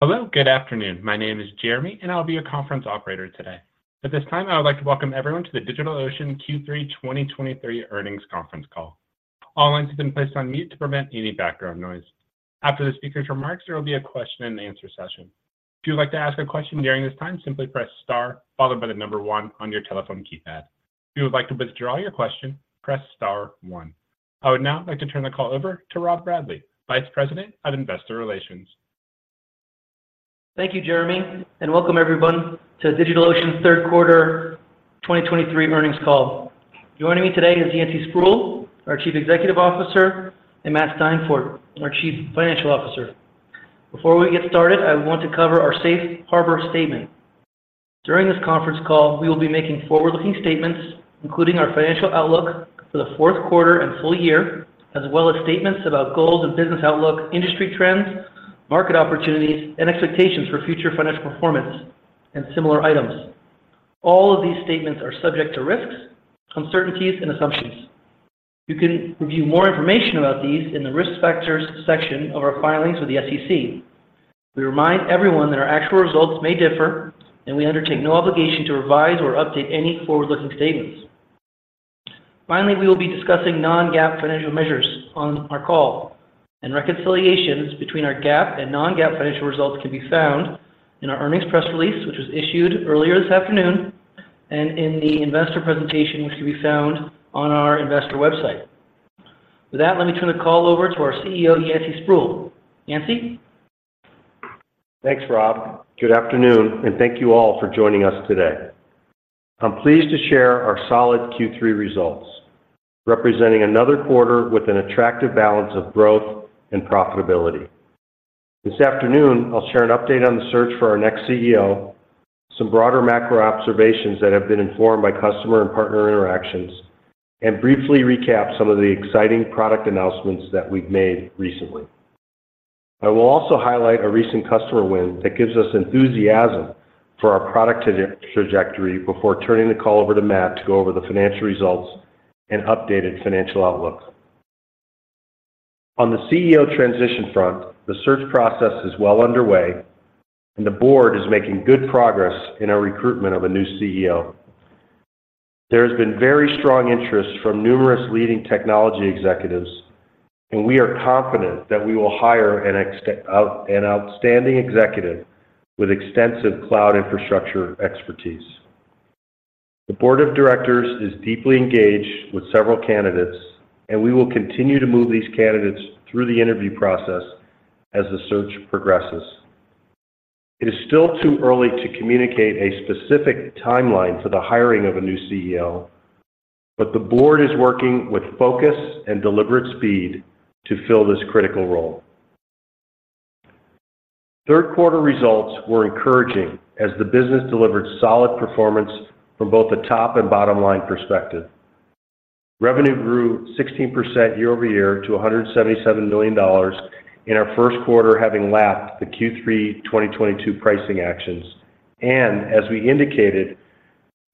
Hello, good afternoon. My name is Jeremy, and I'll be your conference operator today. At this time, I would like to welcome everyone to the DigitalOcean Q3 2023 Earnings Conference Call. All lines have been placed on mute to prevent any background noise. After the speaker's remarks, there will be a question-and-answer session. If you would like to ask a question during this time, simply press star followed by the number one on your telephone keypad. If you would like to withdraw your question, press star one. I would now like to turn the call over to Rob Bradley, Vice President of Investor Relations. Thank you, Jeremy, and welcome everyone to DigitalOcean's Third Quarter 2023 Earnings Call. Joining me today is Yancey Spruill, our Chief Executive Officer, and Matt Steinfort, our Chief Financial Officer. Before we get started, I want to cover our safe harbor statement. During this conference call, we will be making forward-looking statements, including our financial outlook for the fourth quarter and full year, as well as statements about goals and business outlook, industry trends, market opportunities, and expectations for future financial performance and similar items. All of these statements are subject to risks, uncertainties, and assumptions. You can review more information about these in the Risk Factors section of our filings with the SEC. We remind everyone that our actual results may differ, and we undertake no obligation to revise or update any forward-looking statements. Finally, we will be discussing non-GAAP financial measures on our call, and reconciliations between our GAAP and non-GAAP financial results can be found in our earnings press release, which was issued earlier this afternoon, and in the investor presentations can be found on our investor website. With that, let me turn the call over to our CEO, Yancey Spruill. Yancey? Thanks, Rob. Good afternoon, and thank you all for joining us today. I'm pleased to share our solid Q3 results, representing another quarter with an attractive balance of growth and profitability. This afternoon, I'll share an update on the search for our next CEO, some broader macro observations that have been informed by customer and partner interactions, and briefly recap some of the exciting product announcements that we've made recently. I will also highlight a recent customer win that gives us enthusiasm for our product trajectory before turning the call over to Matt to go over the financial results and updated financial outlook. On the CEO transition front, the search process is well underway, and the board is making good progress in our recruitment of a new CEO. There has been very strong interest from numerous leading technology executives, and we are confident that we will hire an outstanding executive with extensive cloud infrastructure expertise. The board of directors is deeply engaged with several candidates, and we will continue to move these candidates through the interview process as the search progresses. It is still too early to communicate a specific timeline for the hiring of a new CEO, but the board is working with focus and deliberate speed to fill this critical role. Third quarter results were encouraging as the business delivered solid performance from both a top and bottom line perspective. Revenue grew 16% year-over-year to $177 million in our first quarter, having lapped the Q3 2022 pricing actions. As we indicated,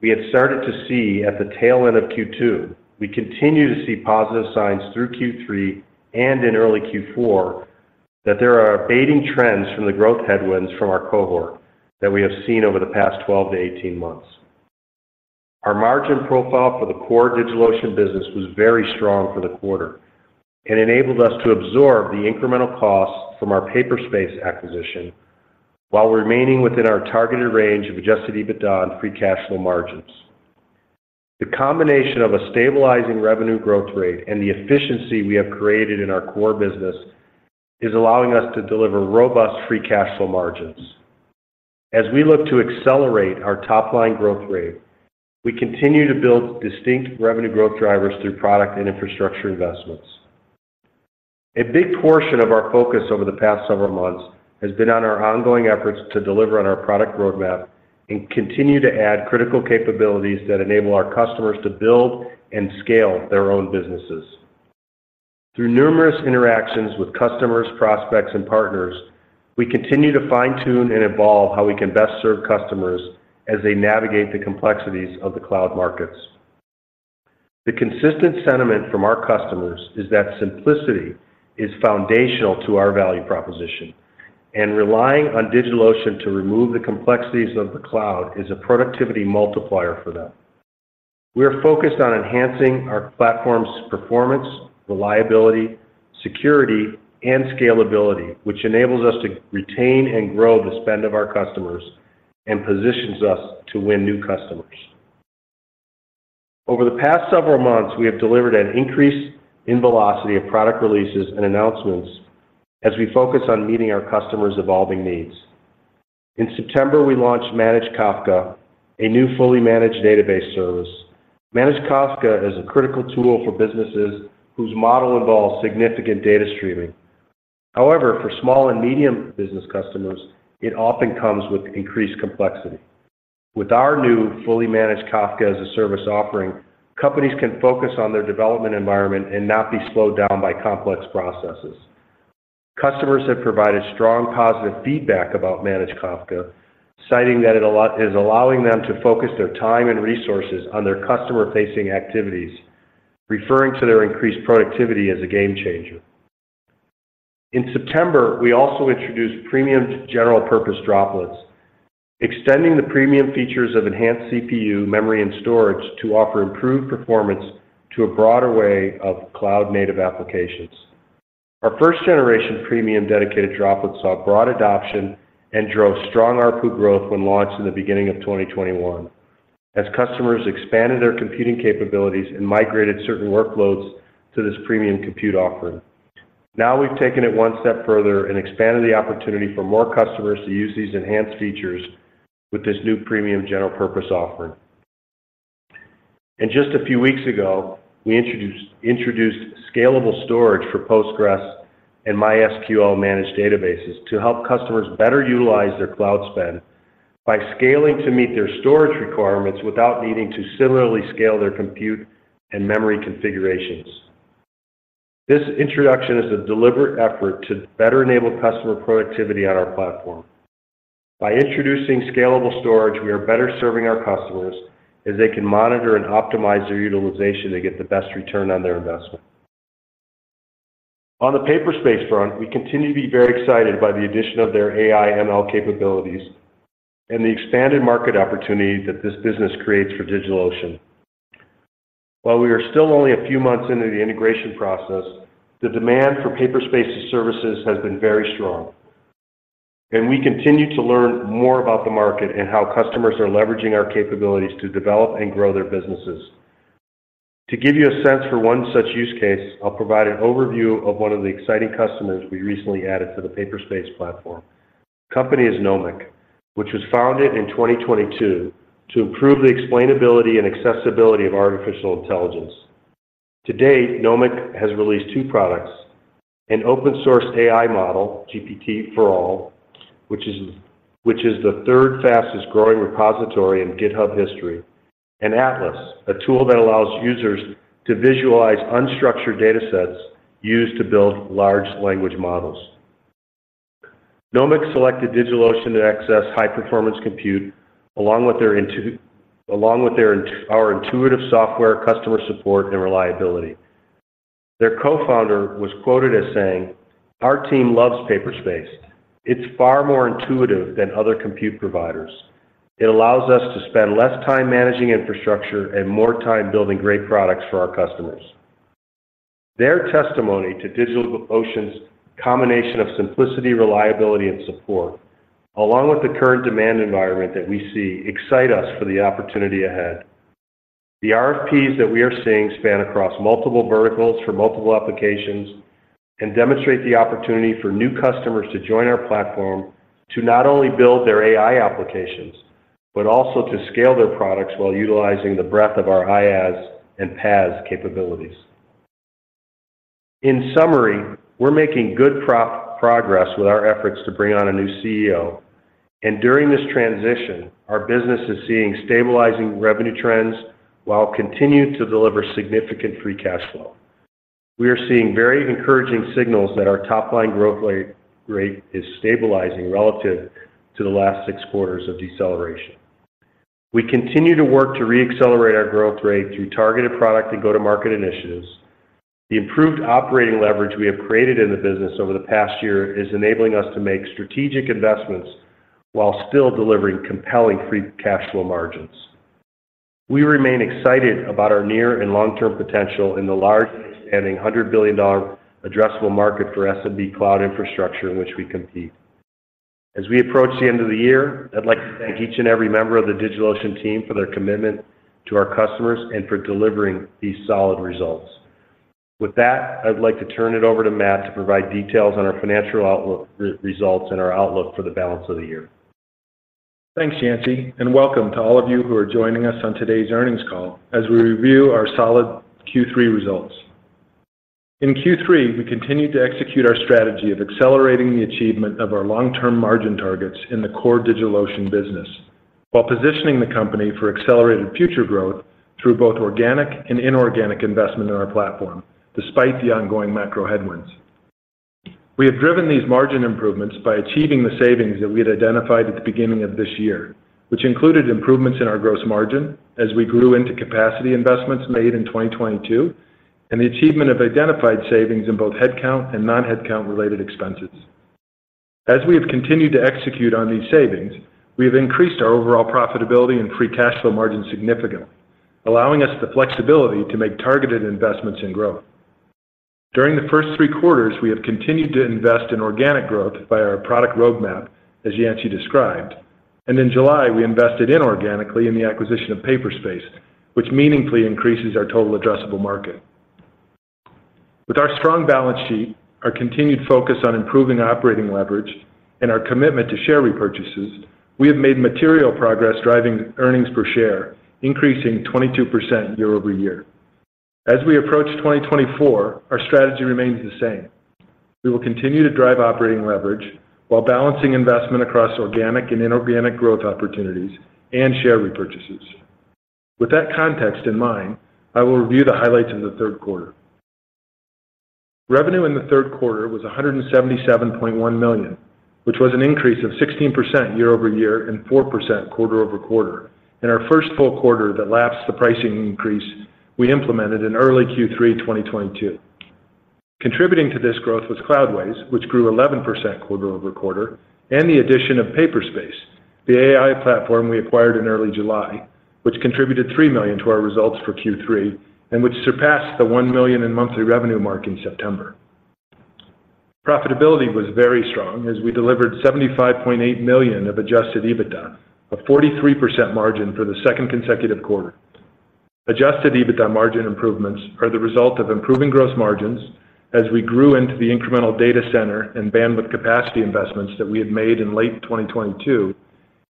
we had started to see at the tail end of Q2, we continue to see positive signs through Q3 and in early Q4, that there are abating trends from the growth headwinds from our cohort that we have seen over the past 12-18 months. Our margin profile for the core DigitalOcean business was very strong for the quarter and enabled us to absorb the incremental costs from our Paperspace acquisition while remaining within our targeted range of adjusted EBITDA and free cash flow margins. The combination of a stabilizing revenue growth rate and the efficiency we have created in our core business is allowing us to deliver robust free cash flow margins. As we look to accelerate our top line growth rate, we continue to build distinct revenue growth drivers through product and infrastructure investments. A big portion of our focus over the past several months has been on our ongoing efforts to deliver on our product roadmap and continue to add critical capabilities that enable our customers to build and scale their own businesses. Through numerous interactions with customers, prospects, and partners, we continue to fine-tune and evolve how we can best serve customers as they navigate the complexities of the cloud markets. The consistent sentiment from our customers is that simplicity is foundational to our value proposition, and relying on DigitalOcean to remove the complexities of the cloud is a productivity multiplier for them. We are focused on enhancing our platform's performance, reliability, security, and scalability, which enables us to retain and grow the spend of our customers and positions us to win new customers. Over the past several months, we have delivered an increase in velocity of product releases and announcements as we focus on meeting our customers' evolving needs. In September, we launched Managed Kafka, a new fully managed database service. Managed Kafka is a critical tool for businesses whose model involves significant data streaming. However, for small and medium business customers, it often comes with increased complexity. With our new fully managed Kafka as a service offering, companies can focus on their development environment and not be slowed down by complex processes. Customers have provided strong, positive feedback about Managed Kafka, citing that it is allowing them to focus their time and resources on their customer-facing activities, referring to their increased productivity as a game changer. In September, we also introduced Premium General Purpose Droplets, extending the premium features of enhanced CPU, memory, and storage to offer improved performance to a broader way of cloud-native applications. Our first-generation Premium Dedicated Droplets saw broad adoption and drove strong ARPU growth when launched in the beginning of 2021, as customers expanded their computing capabilities and migrated certain workloads to this premium compute offering. Now we've taken it one step further and expanded the opportunity for more customers to use these enhanced features with this new premium general-purpose offering. And just a few weeks ago, we introduced Scalable Storage for Postgres and MySQL managed databases to help customers better utilize their cloud spend by scaling to meet their storage requirements without needing to similarly scale their compute and memory configurations. This introduction is a deliberate effort to better enable customer productivity on our platform. By introducing Scalable Storage, we are better serving our customers as they can monitor and optimize their utilization to get the best return on their investment. On the Paperspace front, we continue to be very excited by the addition of their AI/ML capabilities and the expanded market opportunity that this business creates for DigitalOcean. While we are still only a few months into the integration process, the demand for Paperspace's services has been very strong, and we continue to learn more about the market and how customers are leveraging our capabilities to develop and grow their businesses. To give you a sense for one such use case, I'll provide an overview of one of the exciting customers we recently added to the Paperspace platform. The company is Nomic, which was founded in 2022 to improve the explainability and accessibility of artificial intelligence. To date, Nomic has released two products, an open source AI model, GPT4All, which is the third fastest growing repository in GitHub history, and Atlas, a tool that allows users to visualize unstructured datasets used to build large language models. Nomic selected DigitalOcean to access high-performance compute, along with our intuitive software, customer support, and reliability. Their co-founder was quoted as saying, "Our team loves Paperspace. It's far more intuitive than other compute providers. It allows us to spend less time managing infrastructure and more time building great products for our customers." Their testimony to DigitalOcean's combination of simplicity, reliability, and support, along with the current demand environment that we see, excite us for the opportunity ahead. The RFPs that we are seeing span across multiple verticals for multiple applications and demonstrate the opportunity for new customers to join our platform, to not only build their AI applications, but also to scale their products while utilizing the breadth of our IaaS and PaaS capabilities. In summary, we're making good progress with our efforts to bring on a new CEO, and during this transition, our business is seeing stabilizing revenue trends while continuing to deliver significant free cash flow. We are seeing very encouraging signals that our top-line growth rate is stabilizing relative to the last six quarters of deceleration. We continue to work to re-accelerate our growth rate through targeted product and go-to-market initiatives. The improved operating leverage we have created in the business over the past year is enabling us to make strategic investments while still delivering compelling free cash flow margins. We remain excited about our near- and long-term potential in the large expanding $100 billion addressable market for SMB cloud infrastructure in which we compete. As we approach the end of the year, I'd like to thank each and every member of the DigitalOcean team for their commitment to our customers and for delivering these solid results. With that, I'd like to turn it over to Matt to provide details on our financial outlook, results, and our outlook for the balance of the year. Thanks, Yancey, and welcome to all of you who are joining us on today's earnings call as we review our solid Q3 results. In Q3, we continued to execute our strategy of accelerating the achievement of our long-term margin targets in the core DigitalOcean business, while positioning the company for accelerated future growth through both organic and inorganic investment in our platform, despite the ongoing macro headwinds. We have driven these margin improvements by achieving the savings that we had identified at the beginning of this year, which included improvements in our gross margin as we grew into capacity investments made in 2022, and the achievement of identified savings in both headcount and non-headcount related expenses. As we have continued to execute on these savings, we have increased our overall profitability and free cash flow margin significantly, allowing us the flexibility to make targeted investments in growth. During the first three quarters, we have continued to invest in organic growth by our product roadmap, as Yancey described, and in July, we invested inorganically in the acquisition of Paperspace, which meaningfully increases our total addressable market. With our strong balance sheet, our continued focus on improving operating leverage, and our commitment to share repurchases, we have made material progress driving earnings per share, increasing 22% year-over-year. As we approach 2024, our strategy remains the same. We will continue to drive operating leverage while balancing investment across organic and inorganic growth opportunities and share repurchases. With that context in mind, I will review the highlights of the third quarter. Revenue in the third quarter was $177.1 million, which was an increase of 16% year-over-year and 4% quarter over quarter. In our first full quarter that lapsed the pricing increase we implemented in early Q3 2022. Contributing to this growth was Cloudways, which grew 11% quarter over quarter, and the addition of Paperspace, the AI platform we acquired in early July, which contributed $3 million to our results for Q3, and which surpassed the $1 million in monthly revenue mark in September. Profitability was very strong as we delivered $75.8 million of adjusted EBITDA, a 43% margin for the second consecutive quarter. Adjusted EBITDA margin improvements are the result of improving gross margins as we grew into the incremental data center and bandwidth capacity investments that we had made in late 2022,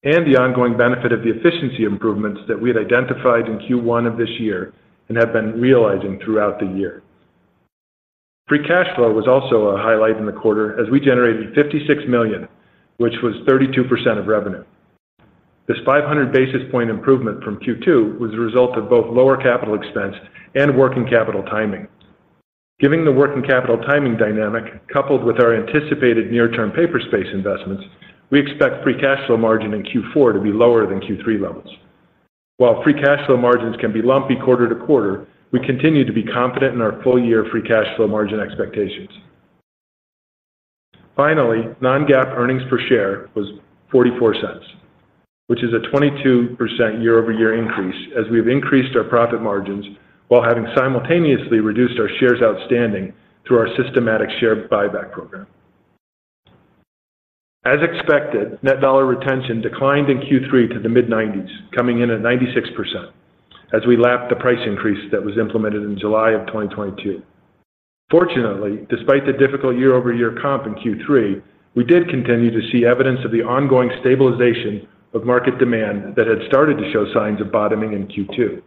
and the ongoing benefit of the efficiency improvements that we had identified in Q1 of this year and have been realizing throughout the year. Free cash flow was also a highlight in the quarter as we generated $56 million, which was 32% of revenue. This 500 basis point improvement from Q2 was a result of both lower capital expense and working capital timing. Given the working capital timing dynamic, coupled with our anticipated near-term Paperspace investments, we expect free cash flow margin in Q4 to be lower than Q3 levels. While free cash flow margins can be lumpy quarter to quarter, we continue to be confident in our full-year free cash flow margin expectations. Finally, Non-GAAP earnings per share was $0.44, which is a 22% year-over-year increase as we have increased our profit margins while having simultaneously reduced our shares outstanding through our systematic share buyback program. As expected, net dollar retention declined in Q3 to the mid-90s, coming in at 96%, as we lapped the price increase that was implemented in July of 2022. Fortunately, despite the difficult year-over-year comp in Q3, we did continue to see evidence of the ongoing stabilization of market demand that had started to show signs of bottoming in Q2.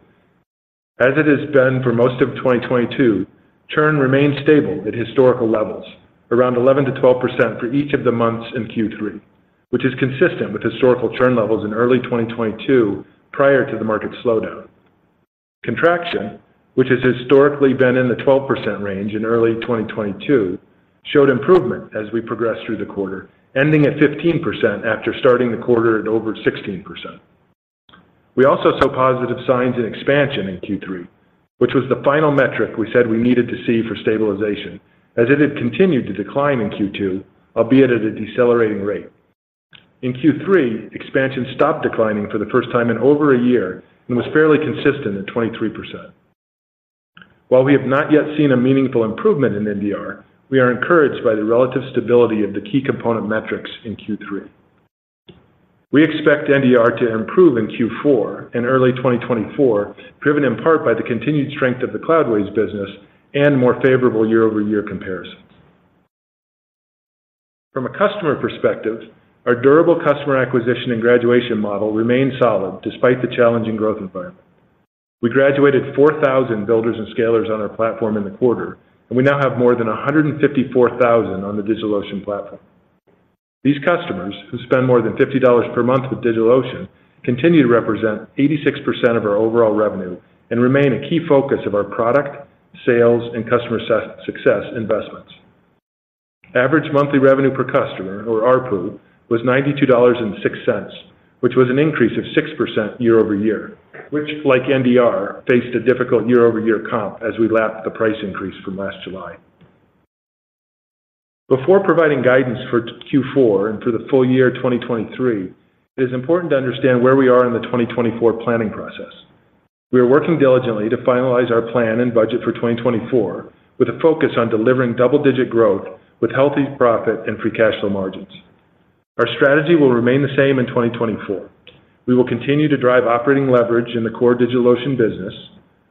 As it has been for most of 2022, churn remained stable at historical levels, around 11%-12% for each of the months in Q3, which is consistent with historical churn levels in early 2022 prior to the market slowdown. Contraction, which has historically been in the 12% range in early 2022, showed improvement as we progressed through the quarter, ending at 15% after starting the quarter at over 16%. We also saw positive signs in expansion in Q3, which was the final metric we said we needed to see for stabilization, as it had continued to decline in Q2, albeit at a decelerating rate. In Q3, expansion stopped declining for the first time in over a year and was fairly consistent at 23%. While we have not yet seen a meaningful improvement in NDR, we are encouraged by the relative stability of the key component metrics in Q3. We expect NDR to improve in Q4 and early 2024, driven in part by the continued strength of the Cloudways business and more favorable year-over-year comparisons. From a customer perspective, our durable customer acquisition and graduation model remains solid despite the challenging growth environment. We graduated 4,000 Builders and Scalers on our platform in the quarter, and we now have more than 154,000 on the DigitalOcean platform. These customers, who spend more than $50 per month with DigitalOcean, continue to represent 86% of our overall revenue and remain a key focus of our product, sales, and customer success, success investments. Average monthly revenue per customer, or ARPU, was $92.06, which was an increase of 6% year over year, which, like NDR, faced a difficult year-over-year comp as we lapped the price increase from last July. Before providing guidance for Q4 and for the full year 2023, it is important to understand where we are in the 2024 planning process. We are working diligently to finalize our plan and budget for 2024, with a focus on delivering double-digit growth with healthy profit and free cash flow margins. Our strategy will remain the same in 2024. We will continue to drive operating leverage in the core DigitalOcean business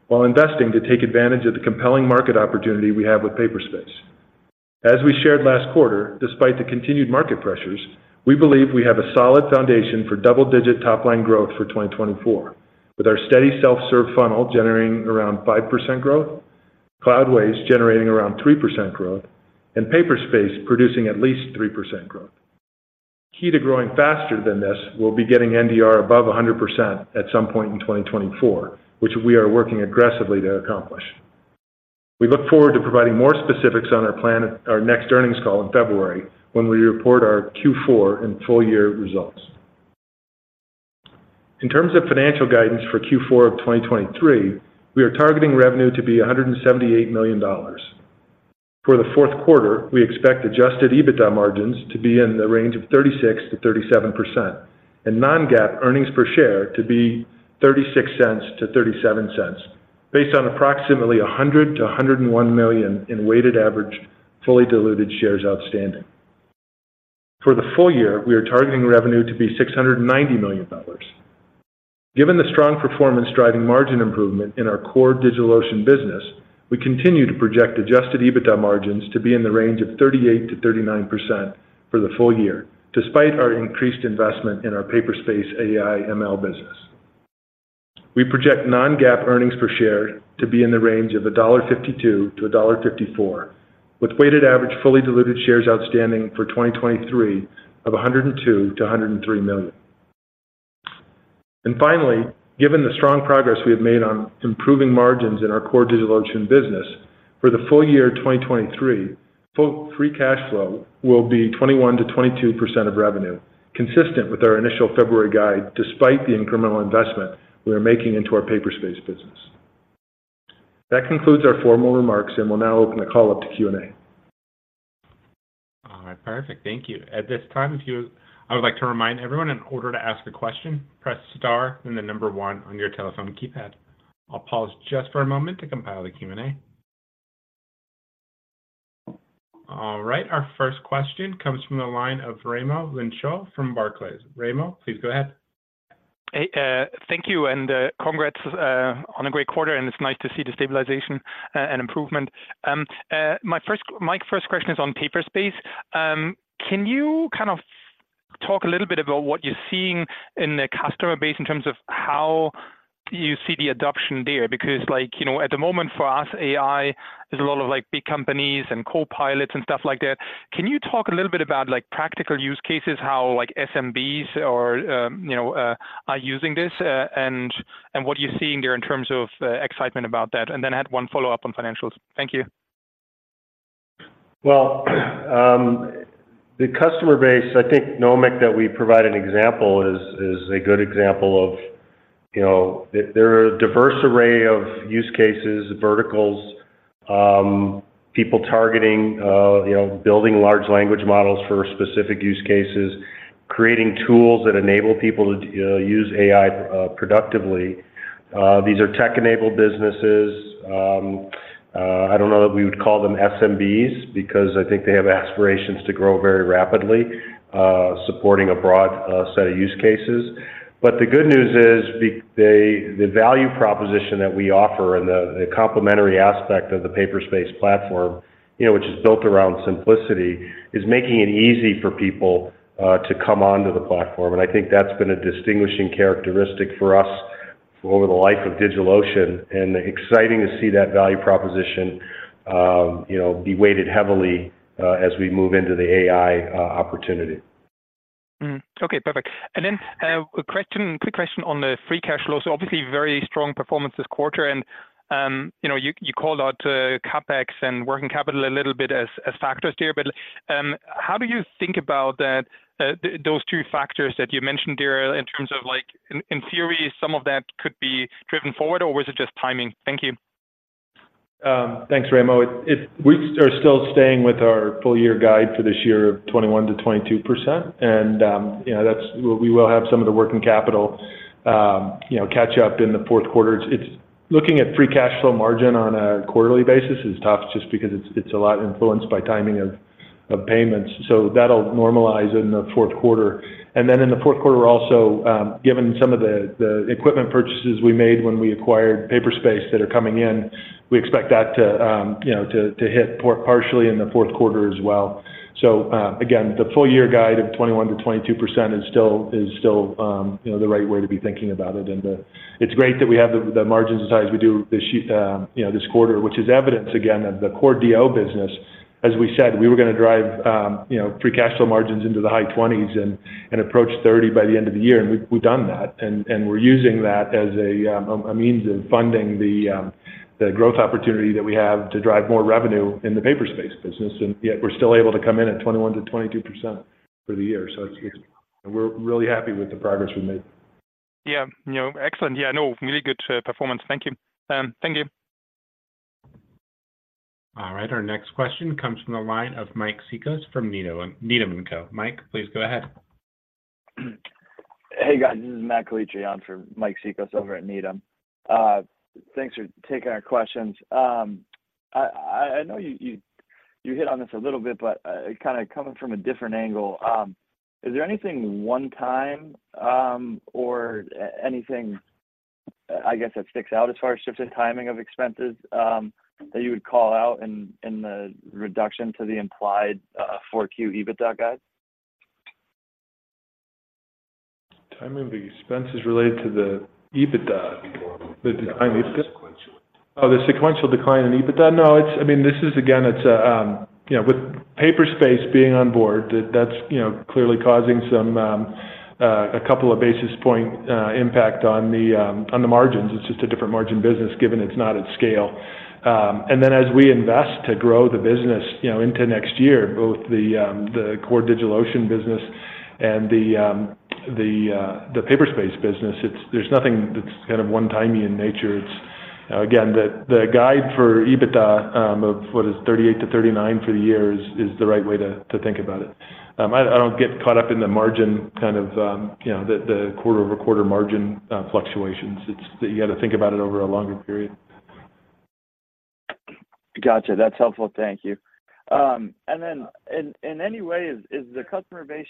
while investing to take advantage of the compelling market opportunity we have with Paperspace. As we shared last quarter, despite the continued market pressures, we believe we have a solid foundation for double-digit top-line growth for 2024, with our steady self-serve funnel generating around 5% growth, Cloudways generating around 3% growth, and Paperspace producing at least 3% growth. Key to growing faster than this will be getting NDR above 100% at some point in 2024, which we are working aggressively to accomplish. We look forward to providing more specifics on our plan at our next earnings call in February, when we report our Q4 and full year results. In terms of financial guidance for Q4 of 2023, we are targeting revenue to be $178 million. For the fourth quarter, we expect adjusted EBITDA margins to be in the range of 36%-37% and non-GAAP earnings per share to be $0.36-$0.37, based on approximately 100 million-101 million weighted average, fully diluted shares outstanding. For the full year, we are targeting revenue to be $690 million. Given the strong performance driving margin improvement in our core DigitalOcean business, we continue to project adjusted EBITDA margins to be in the range of 38%-39% for the full year, despite our increased investment in our Paperspace AI/ML business. We project non-GAAP earnings per share to be in the range of $1.52-$1.54, with weighted average fully diluted shares outstanding for 2023 of 102-103 million. And finally, given the strong progress we have made on improving margins in our core DigitalOcean business, for the full year 2023, full free cash flow will be 21%-22% of revenue, consistent with our initial February guide, despite the incremental investment we are making into our Paperspace business. That concludes our formal remarks, and we'll now open the call up to Q&A. All right, perfect. Thank you. At this time, if you, I would like to remind everyone, in order to ask a question, press Star and the number one on your telephone keypad. I'll pause just for a moment to compile the Q&A. All right. Our first question comes from the line of Raimo Lenschow from Barclays. Remo, please go ahead. Hey, thank you, and congrats on a great quarter, and it's nice to see the stabilization and improvement. My first question is on Paperspace. Can you kind of talk a little bit about what you're seeing in the customer base in terms of how you see the adoption there? Because like, you know, at the moment, for us, AI is a lot of, like, big companies and copilots and stuff like that. Can you talk a little bit about, like, practical use cases, how, like, SMBs or, you know, are using this, and what you're seeing there in terms of excitement about that? And then I had one follow-up on financials. Thank you. Well, the customer base, I think Nomic that we provide an example is a good example of, you know. There are a diverse array of use cases, verticals, people targeting, you know, building large language models for specific use cases, creating tools that enable people to use AI productively. These are tech-enabled businesses. I don't know that we would call them SMBs, because I think they have aspirations to grow very rapidly, supporting a broad set of use cases. But the good news is the value proposition that we offer and the complementary aspect of the Paperspace platform, you know, which is built around simplicity, is making it easy for people to come onto the platform. And I think that's been a distinguishing characteristic for us over the life of DigitalOcean, and exciting to see that value proposition, you know, be weighted heavily as we move into the AI opportunity. Okay, perfect. And then a question, quick question on the free cash flow. So obviously, very strong performance this quarter, and you know, you called out CapEx and working capital a little bit as factors here. But how do you think about that, those two factors that you mentioned there in terms of, like, in theory, some of that could be driven forward, or was it just timing? Thank you. Thanks, Remo. We are still staying with our full year guide for this year of 21%-22%, and, you know, that's, we will have some of the working capital, you know, catch up in the fourth quarter. Looking at free cash flow margin on a quarterly basis is tough just because it's a lot influenced by timing of payments, so that'll normalize in the fourth quarter. And then in the fourth quarter, also, given some of the equipment purchases we made when we acquired Paperspace that are coming in, we expect that to, you know, to hit partially in the fourth quarter as well. So, again, the full year guide of 21%-22% is still, you know, the right way to be thinking about it. It's great that we have the margins as high as we do this year, you know, this quarter, which is evidence, again, of the core DO business. As we said, we were gonna drive, you know, free cash flow margins into the high 20s and approach 30 by the end of the year, and we've done that. And we're using that as a means of funding the growth opportunity that we have to drive more revenue in the Paperspace business, and yet we're still able to come in at 21%-22% for the year. So it's... We're really happy with the progress we made. Yeah. You know, excellent. Yeah, I know, really good performance. Thank you. Thank you. All right, our next question comes from the line of Mike Cikos from Needham & Co. Mike, please go ahead. Hey, guys, this is Matt Calitri for Mike Cikos over at Needham. Thanks for taking our questions. I know you hit on this a little bit, but kind of coming from a different angle, is there anything one-time or anything, I guess, that sticks out as far as shifts in timing of expenses that you would call out in the reduction to the implied 4Q EBITDA guide? Timing of the expenses related to the EBITDA, the timing. Sequential. Oh, the sequential decline in EBITDA? No, it's, I mean, this is again, it's, you know, with Paperspace being on board, that's, you know, clearly causing some, a couple of basis point, impact on the, on the margins. It's just a different margin business, given it's not at scale. And then as we invest to grow the business, you know, into next year, both the, the core DigitalOcean business and the, the, the Paperspace business, it's. There's nothing that's kind of one-time in nature. It's, again, the, the guide for EBITDA, of what is 38-39 for the year is, is the right way to, to think about it. I, I don't get caught up in the margin kind of, you know, the, the quarter-over-quarter margin, fluctuations. It's. You got to think about it over a longer period. Gotcha, that's helpful. Thank you. And then in any way, is the customer base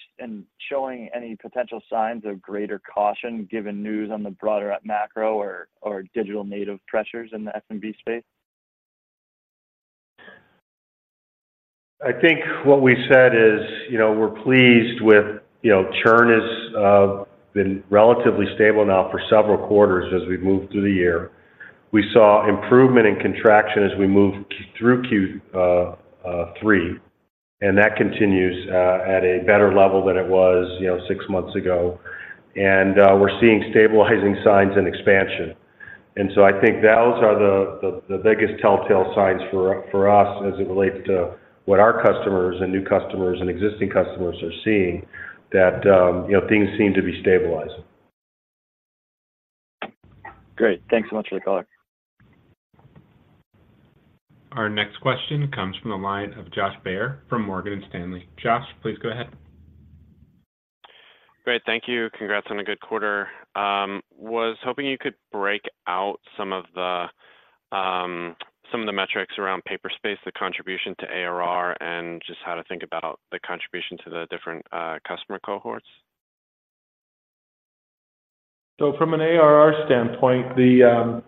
showing any potential signs of greater caution, given news on the broader macro or digital native pressures in the SMB space? I think what we said is, you know, we're pleased with, you know, churn is been relatively stable now for several quarters as we've moved through the year. We saw improvement in contraction as we moved through Q three and that continues at a better level than it was, you know, six months ago. And we're seeing stabilizing signs and expansion. And so I think those are the, the, the biggest telltale signs for, for us as it relates to what our customers and new customers and existing customers are seeing, that you know, things seem to be stabilizing. Great. Thanks so much for the call. Our next question comes from the line of Josh Baer from Morgan Stanley. Josh, please go ahead. Great, thank you. Congrats on a good quarter. Was hoping you could break out some of the, some of the metrics around Paperspace, the contribution to ARR, and just how to think about the contribution to the different customer cohorts. So from an ARR standpoint, the,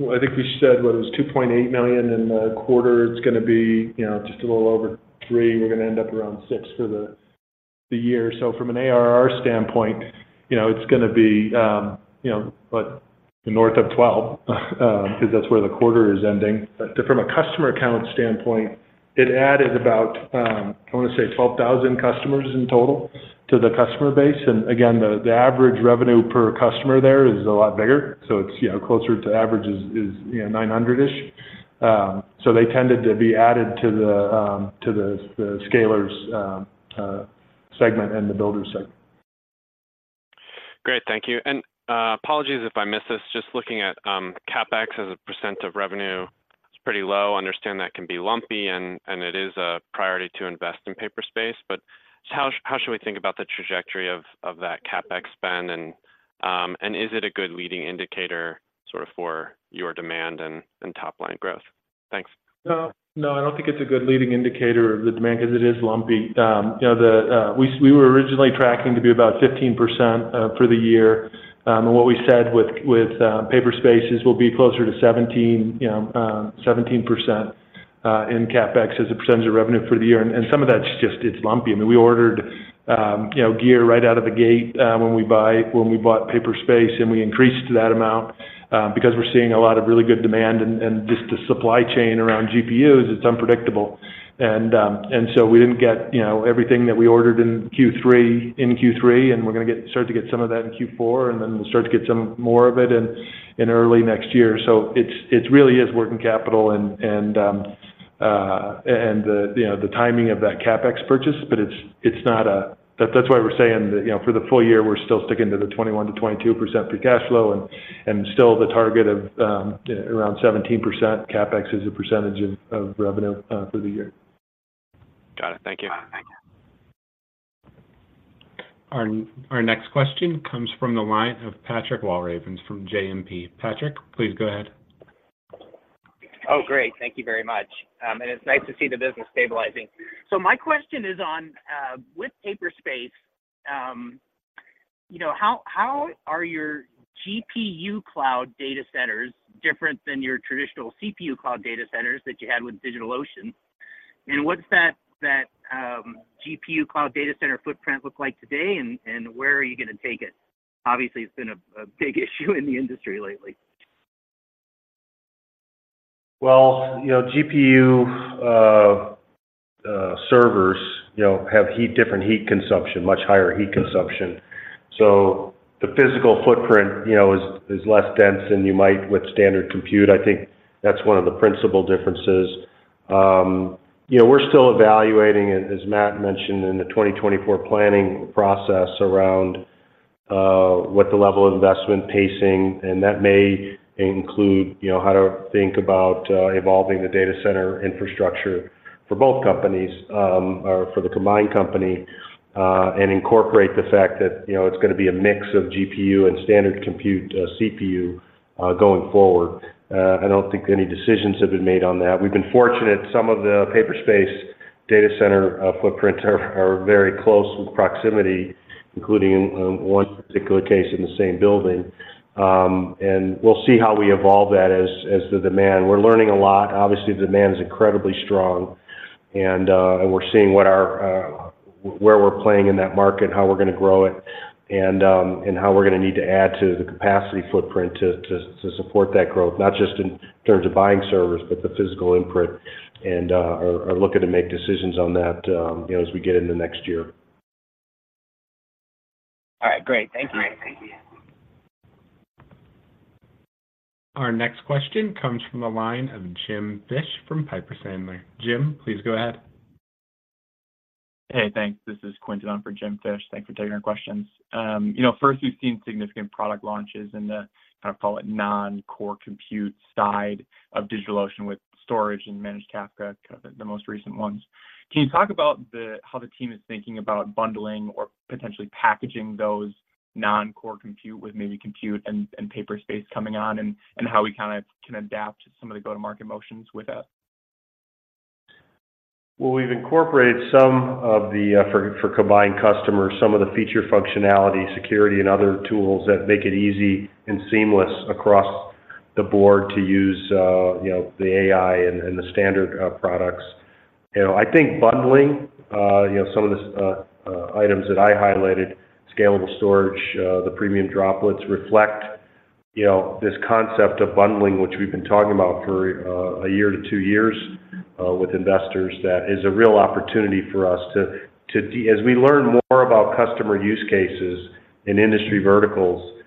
I think we said, what it was $2.8 million in the quarter. It's gonna be, you know, just a little over 3. We're gonna end up around 6 for the year. So from an ARR standpoint, you know, it's gonna be, you know, what, north of 12, because that's where the quarter is ending. But from a customer account standpoint, it added about, I want to say 12,000 customers in total to the customer base. And again, the average revenue per customer there is a lot bigger, so it's, you know, closer to average is, you know, 900-ish. So they tended to be added to the to the Scalers segment and the Builders segment. Great, thank you. Apologies if I missed this. Just looking at CapEx as a percent of revenue, it's pretty low. I understand that can be lumpy, and it is a priority to invest in Paperspace, but how should we think about the trajectory of that CapEx spend? And, and is it a good leading indicator sort of for your demand and top line growth? Thanks. No, no, I don't think it's a good leading indicator of the demand because it is lumpy. You know, we were originally tracking to be about 15% for the year. And what we said with Paperspace is we'll be closer to 17%, you know, 17% in CapEx as a percentage of revenue for the year. And some of that's just, it's lumpy. I mean, we ordered, you know, gear right out of the gate, when we bought Paperspace, and we increased that amount, because we're seeing a lot of really good demand and just the supply chain around GPUs, it's unpredictable. and so we didn't get, you know, everything that we ordered in Q3, and we're gonna start to get some of that in Q4, and then we'll start to get some more of it in early next year. So it really is working capital and the timing of that CapEx purchase, but it's not a... That's why we're saying that, you know, for the full year, we're still sticking to the 21%-22% free cash flow and still the target of around 17% CapEx as a percentage of revenue for the year. Got it. Thank you. Thank you. Our next question comes from the line of Patrick Walravens from JMP. Patrick, please go ahead. Oh, great. Thank you very much. And it's nice to see the business stabilizing. So my question is on, with Paperspace, you know, how are your GPU cloud data centers different than your traditional CPU cloud data centers that you had with DigitalOcean? And what's that GPU cloud data center footprint look like today, and where are you gonna take it? Obviously, it's been a big issue in the industry lately. Well, you know, GPU servers, you know, have heat, different heat consumption, much higher heat consumption. So the physical footprint, you know, is, is less dense than you might with standard compute. I think that's one of the principal differences. You know, we're still evaluating, as, as Matt mentioned in the 2024 planning process around, what the level of investment pacing, and that may include, you know, how to think about, evolving the data center infrastructure for both companies, or for the combined company, and incorporate the fact that, you know, it's gonna be a mix of GPU and standard compute, CPU, going forward. I don't think any decisions have been made on that. We've been fortunate some of the Paperspace data center footprint are very close in proximity, including in one particular case in the same building. And we'll see how we evolve that as the demand. We're learning a lot. Obviously, the demand is incredibly strong, and we're seeing what our where we're playing in that market, how we're gonna grow it, and how we're gonna need to add to the capacity footprint to support that growth, not just in terms of buying servers, but the physical imprint, and are looking to make decisions on that, you know, as we get into next year. All right, great. Thank you. Our next question comes from a line of Jim Fish from Piper Sandler. Jim, please go ahead. Hey, thanks. This is Quinton on for Jim Fish. Thanks for taking our questions. You know, first, we've seen significant product launches in the, kinda call it non-core compute side of DigitalOcean with storage and Managed Kafka, the most recent ones. Can you talk about how the team is thinking about bundling or potentially packaging those non-core compute with maybe compute and, and Paperspace coming on, and, and how we kinda can adapt to some of the go-to-market motions with that? Well, we've incorporated some of the for combined customers, some of the feature functionality, security, and other tools that make it easy and seamless across the board to use, you know, the AI and the standard products. You know, I think bundling, you know, some of the items that I highlighted, Scalable Storage, the Premium Droplets reflect you know this concept of bundling, which we've been talking about for a year to two years with investors, that is a real opportunity for us to, as we learn more about customer use cases in industry verticals,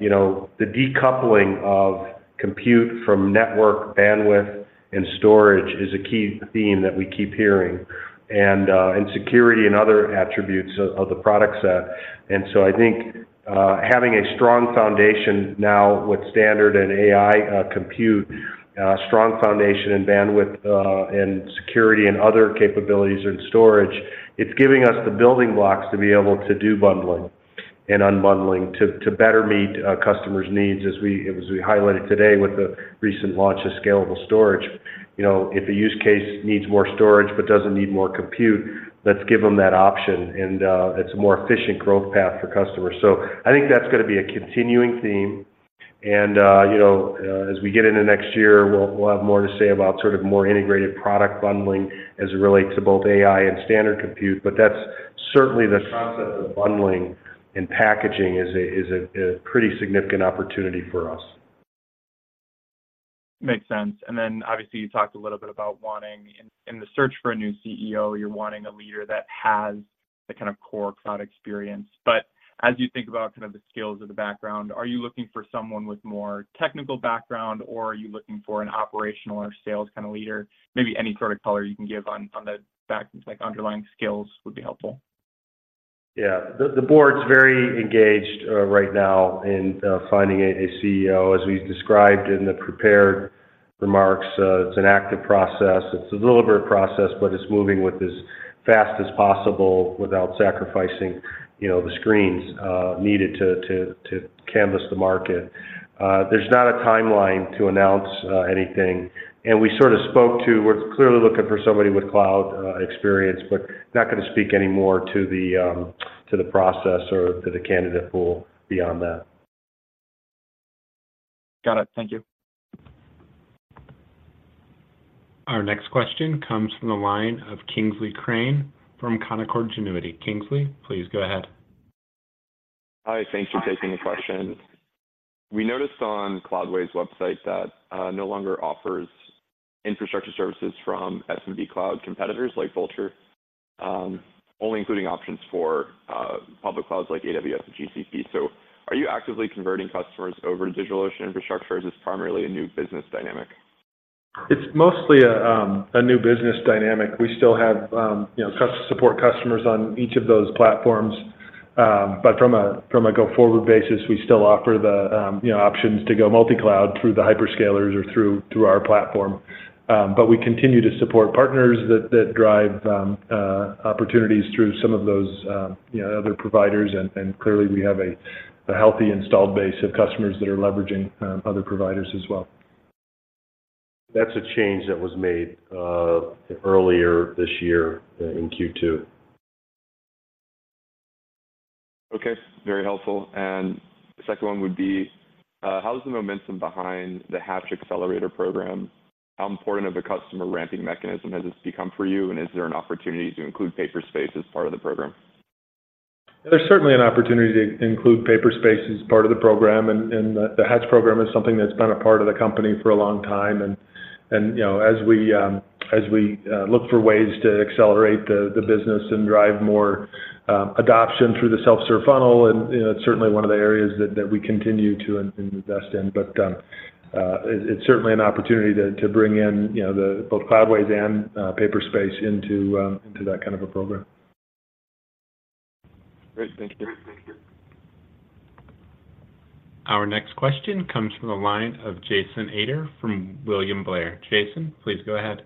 you know, the decoupling of compute from network bandwidth and storage is a key theme that we keep hearing, and security and other attributes of the product set. So I think, having a strong foundation now with standard and AI, compute, strong foundation and bandwidth, and security and other capabilities in storage, it's giving us the building blocks to be able to do bundling and unbundling to, to better meet our customers' needs. As we, as we highlighted today with the recent launch of Scalable Storage, you know, if a use case needs more storage but doesn't need more compute, let's give them that option, and, it's a more efficient growth path for customers. So I think that's gonna be a continuing theme and, you know, as we get into next year, we'll, we'll have more to say about sort of more integrated product bundling as it relates to both AI and standard compute. But that's certainly the concept of bundling and packaging is a pretty significant opportunity for us. Makes sense. And then obviously, you talked a little bit about wanting in the search for a new CEO, you're wanting a leader that has the kind of core cloud experience. But as you think about kind of the skills of the background, are you looking for someone with more technical background, or are you looking for an operational or sales kind of leader? Maybe any sort of color you can give on the fact, like, underlying skills would be helpful? Yeah. The board's very engaged right now in finding a CEO. As we've described in the prepared remarks, it's an active process, it's a deliberate process, but it's moving with as fast as possible without sacrificing, you know, the screens needed to canvas the market. There's not a timeline to announce anything, and we sort of spoke to... We're clearly looking for somebody with cloud experience, but not gonna speak anymore to the process or to the candidate pool beyond that. Got it. Thank you. Our next question comes from the line of Kingsley Crane from Canaccord Genuity. Kingsley, please go ahead. Hi, thanks for taking the question. We noticed on Cloudways website that no longer offers infrastructure services from SMB cloud competitors like Vultr, only including options for public clouds like AWS and GCP. So are you actively converting customers over to DigitalOcean Infrastructure, or is this primarily a new business dynamic? It's mostly a new business dynamic. We still have, you know, support customers on each of those platforms, but from a go-forward basis, we still offer the, you know, options to go multi-cloud through the hyperscalers or through our platform. But we continue to support partners that drive opportunities through some of those, you know, other providers. And clearly, we have a healthy installed base of customers that are leveraging other providers as well. That's a change that was made earlier this year in Q2. Okay, very helpful. And the second one would be, how's the momentum behind the Hatch Accelerator program? How important of a customer ramping mechanism has this become for you? And is there an opportunity to include Paperspace as part of the program? There's certainly an opportunity to include Paperspace as part of the program, and the Hatch program is something that's been a part of the company for a long time, and, you know, as we look for ways to accelerate the business and drive more adoption through the self-serve funnel, and, you know, it's certainly one of the areas that we continue to invest in. But it's certainly an opportunity to bring in, you know, both Cloudways and Paperspace into that kind of a program. Great. Thank you. Our next question comes from the line of Jason Ader from William Blair. Jason, please go ahead.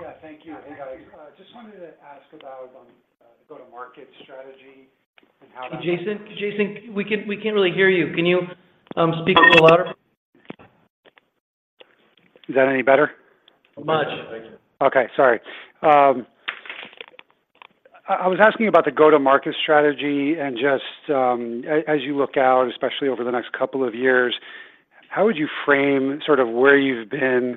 Yeah, thank you. Hey, guys. Just wanted to ask about go-to-market strategy and how that- Jason, Jason, we can't, we can't really hear you. Can you speak a little louder? Is that any better? Much. Okay, sorry. I was asking about the go-to-market strategy and just, as you look out, especially over the next couple of years, how would you frame sort of where you've been,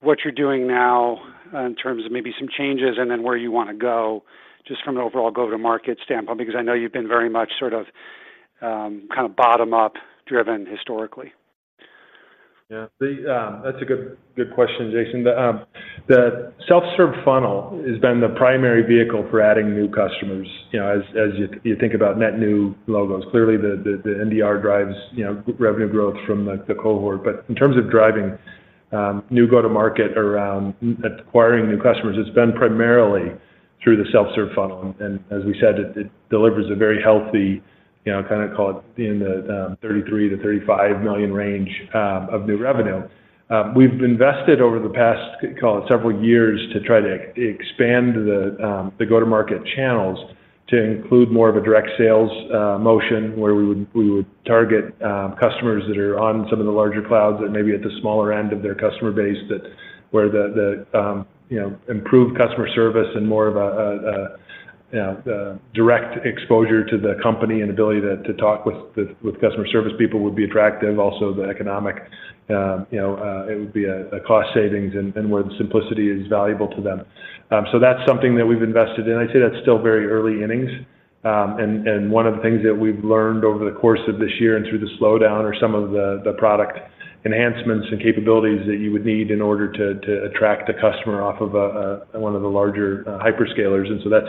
what you're doing now in terms of maybe some changes, and then where you wanna go, just from an overall go-to-market standpoint? Because I know you've been very much sort of, kind of bottom-up driven historically. Yeah, that's a good, good question, Jason. The self-serve funnel has been the primary vehicle for adding new customers. You know, as you think about net new logos, clearly the NDR drives, you know, revenue growth from the cohort. But in terms of driving new go-to-market around acquiring new customers, it's been primarily through the self-serve funnel, and as we said, it delivers a very healthy, you know, kinda call it in the $33 million-$35 million range of new revenue. We've invested over the past, call it, several years to try to expand the go-to-market channels to include more of a direct sales motion, where we would target customers that are on some of the larger clouds and maybe at the smaller end of their customer base, but where the, you know, improved customer service and more of a yeah, the direct exposure to the company and ability to talk with the customer service people would be attractive. Also, the economic, you know, it would be a cost savings and where the simplicity is valuable to them. So that's something that we've invested in. I'd say that's still very early innings. One of the things that we've learned over the course of this year and through the slowdown are some of the product enhancements and capabilities that you would need in order to attract a customer off of one of the larger hyperscalers. And so that's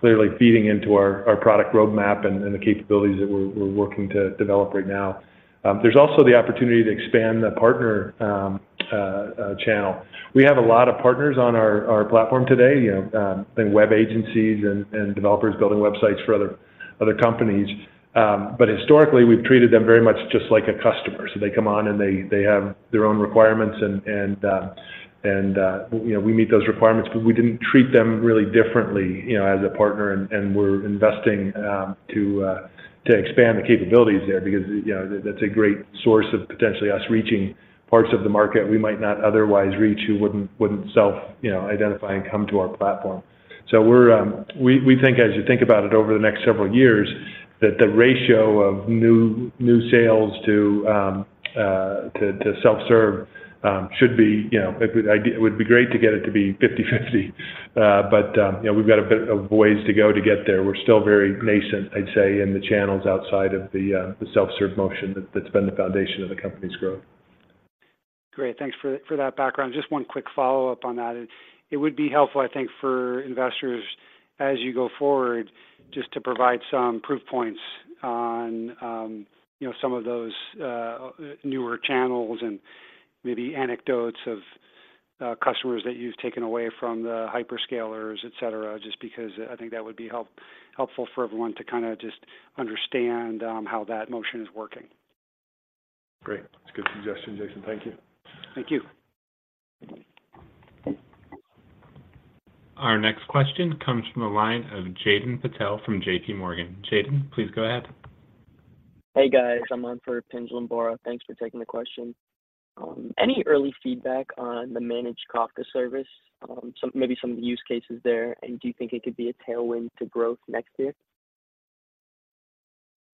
clearly feeding into our product roadmap and the capabilities that we're working to develop right now. There's also the opportunity to expand the partner channel. We have a lot of partners on our platform today, you know, and web agencies and developers building websites for other companies. But historically, we've treated them very much just like a customer. So they come on, and they have their own requirements, and you know, we meet those requirements, but we didn't treat them really differently, you know, as a partner. And we're investing to expand the capabilities there because, you know, that's a great source of potentially us reaching parts of the market we might not otherwise reach, who wouldn't self identify and come to our platform. So we're, we think, as you think about it over the next several years, that the ratio of new sales to self-serve should be, you know. It would be great to get it to be 50/50, but you know, we've got a bit of ways to go to get there. We're still very nascent, I'd say, in the channels outside of the self-serve motion that's been the foundation of the company's growth. Great. Thanks for that background. Just one quick follow-up on that. It would be helpful, I think, for investors as you go forward, just to provide some proof points on, you know, some of those newer channels and maybe anecdotes of customers that you've taken away from the hyperscalers, et cetera, just because I think that would be helpful for everyone to kinda just understand how that motion is working. Great. That's a good suggestion, Jason. Thank you. Thank you. Our next question comes from the line of Jaden Patel from JP Morgan. Jaden, please go ahead. Hey, guys. I'm on for Pinjalim Bora. Thanks for taking the question. Any early feedback on the Managed Kafka service? Some, maybe some of the use cases there, and do you think it could be a tailwind to growth next year?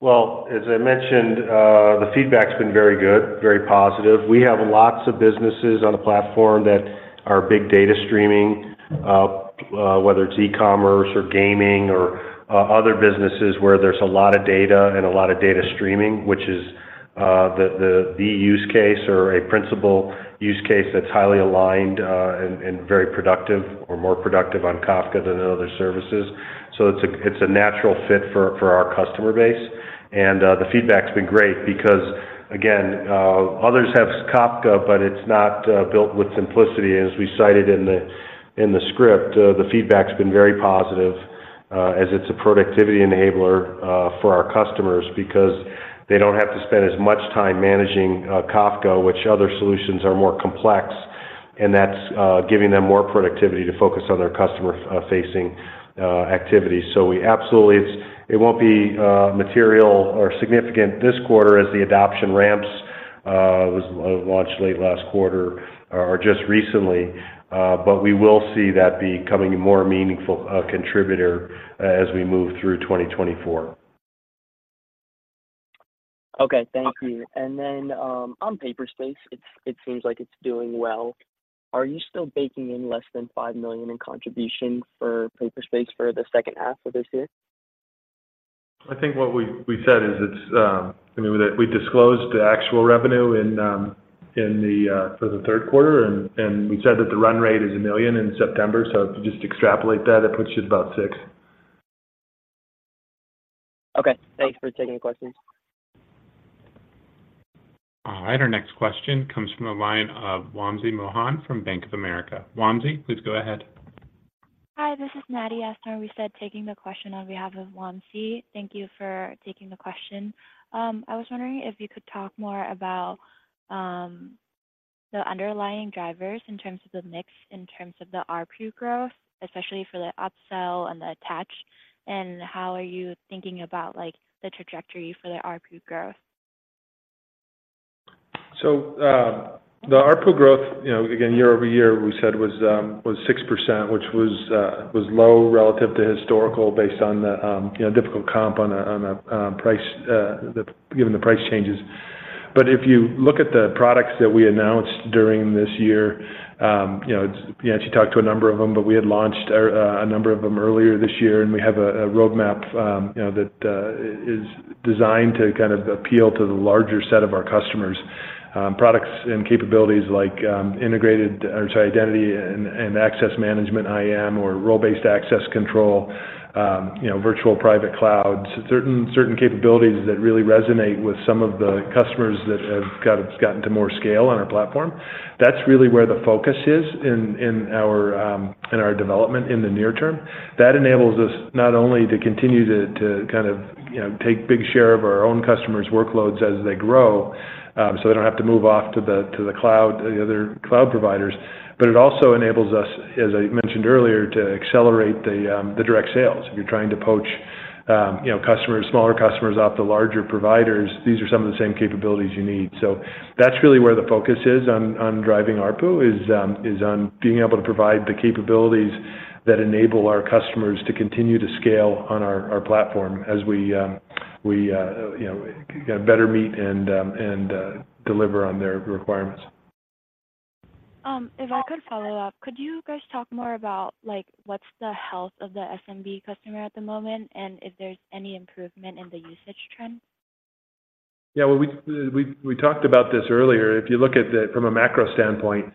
Well, as I mentioned, the feedback's been very good, very positive. We have lots of businesses on the platform that are big data streaming, whether it's e-commerce or gaming or other businesses, where there's a lot of data and a lot of data streaming, which is the use case or a principal use case that's highly aligned, and very productive or more productive on Kafka than other services. So it's a natural fit for our customer base, and the feedback's been great because, again, others have Kafka, but it's not built with simplicity. As we cited in the script, the feedback's been very positive, as it's a productivity enabler for our customers because they don't have to spend as much time managing Kafka, which other solutions are more complex, and that's giving them more productivity to focus on their customer-facing activities. So we absolutely—It's—It won't be material or significant this quarter as the adoption ramps, was launched late last quarter or just recently, but we will see that becoming a more meaningful contributor as we move through 2024. Okay, thank you. Then, on Paperspace, it seems like it's doing well. Are you still baking in less than $5 million in contribution for Paperspace for the second half of this year? I think what we said is it's, I mean, we disclosed the actual revenue in the, for the third quarter, and we said that the run rate is $1 million in September. If you just extrapolate that, it puts you at about $6 million. Okay, thanks for taking the question. All right, our next question comes from the line of Wamsi Mohan from Bank of America. Wamsi, please go ahead. Hi, this is Maddie Schnarr. We said taking the question on behalf of Wamsi. Thank you for taking the question. I was wondering if you could talk more about the underlying drivers in terms of the mix, in terms of the ARPU growth, especially for the upsell and the attach, and how are you thinking about, like, the trajectory for the ARPU growth? So, the ARPU growth, you know, again, year-over-year, we said was 6%, which was low relative to historical, based on the, you know, difficult comp on a price, given the price changes. But if you look at the products that we announced during this year, you know, you actually talked to a number of them, but we had launched a number of them earlier this year, and we have a roadmap, you know, that is designed to kind of appeal to the larger set of our customers. Products and capabilities like integrated, or sorry, identity and access management, IAM, or role-based access control, you know, virtual private clouds, certain capabilities that really resonate with some of the customers that have gotten to more scale on our platform. That's really where the focus is in our development in the near term. That enables us not only to continue to kind of, you know, take big share of our own customers' workloads as they grow, so they don't have to move off to the cloud, the other cloud providers, but it also enables us, as I mentioned earlier, to accelerate the direct sales. If you're trying to poach, you know, customers, smaller customers off the larger providers, these are some of the same capabilities you need. So that's really where the focus is on driving ARPU, on being able to provide the capabilities that enable our customers to continue to scale on our platform as we you know better meet and deliver on their requirements. If I could follow up, could you guys talk more about, like, what's the health of the SMB customer at the moment, and if there's any improvement in the usage trend? Yeah, well, we talked about this earlier. If you look at the from a macro standpoint,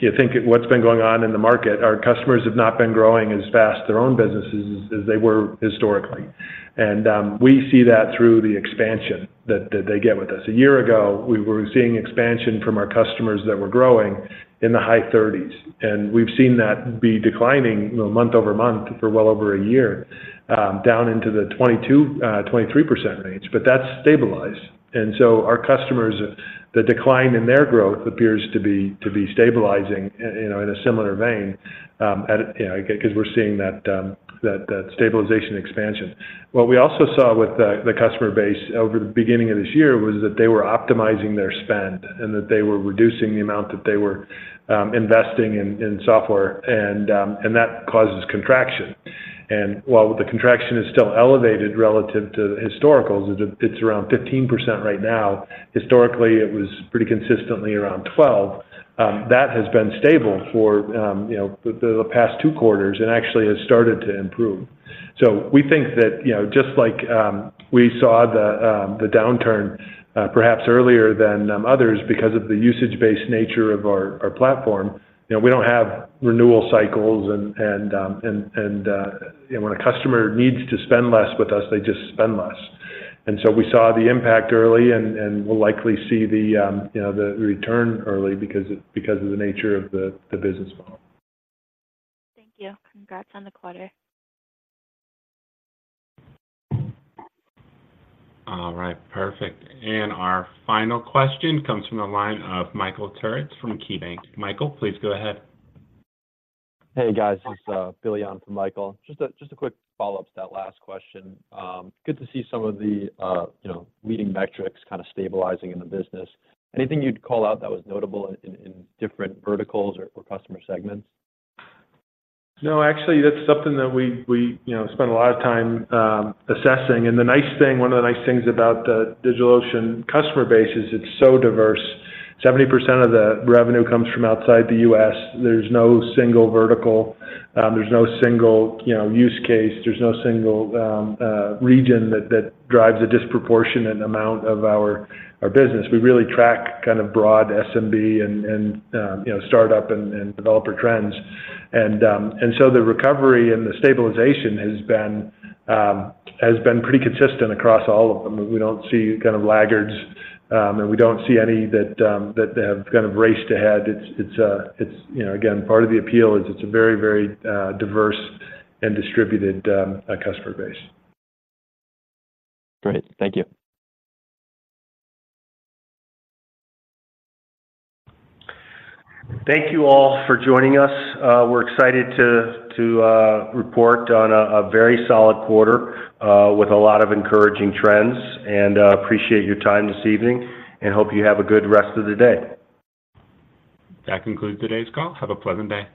you think what's been going on in the market, our customers have not been growing as fast, their own businesses, as they were historically. And we see that through the expansion that they get with us. A year ago, we were seeing expansion from our customers that were growing in the high 30s, and we've seen that be declining, you know, month-over-month for well over a year, down into the 22, 23% range. But that's stabilized, and so our customers, the decline in their growth appears to be stabilizing, you know, in a similar vein, 'cause we're seeing that stabilization expansion. What we also saw with the customer base over the beginning of this year was that they were optimizing their spend and that they were reducing the amount that they were investing in software, and that causes contraction. And while the contraction is still elevated relative to historicals, it's around 15% right now. Historically, it was pretty consistently around 12. That has been stable for, you know, the past two quarters and actually has started to improve. So we think that, you know, just like we saw the downturn, perhaps earlier than others because of the usage-based nature of our platform, you know, we don't have renewal cycles, and, you know, when a customer needs to spend less with us, they just spend less. And so we saw the impact early, and we'll likely see the, you know, the return early because of the nature of the business model. Thank you. Congrats on the quarter. All right. Perfect, and our final question comes from the line of Michael Turits from KeyBanc. Michael, please go ahead. Hey, guys, it's Bill Sorenson from Michael. Just a quick follow-up to that last question. Good to see some of the, you know, leading metrics kind of stabilizing in the business. Anything you'd call out that was notable in different verticals or customer segments? No, actually, that's something that we, we, you know, spend a lot of time assessing. And the nice thing, one of the nice things about the DigitalOcean customer base is it's so diverse. 70% of the revenue comes from outside the U.S. There's no single vertical, there's no single, you know, use case. There's no single region that drives a disproportionate amount of our business. We really track kind of broad SMB and startup and developer trends. And so the recovery and the stabilization has been pretty consistent across all of them. We don't see kind of laggards, and we don't see any that have kind of raced ahead. It's, you know... Again, part of the appeal is it's a very, very, diverse and distributed, customer base. Great. Thank you. Thank you all for joining us. We're excited to report on a very solid quarter with a lot of encouraging trends, and appreciate your time this evening, and hope you have a good rest of the day. That concludes today's call. Have a pleasant day.